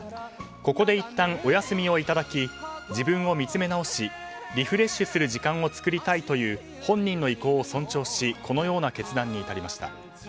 ここで、いったんお休みをいただき自分を見つめ直しリフレッシュする時間を作りたいという本人の意向を尊重しこのような決断に至りました。